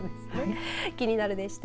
キニナル！でした。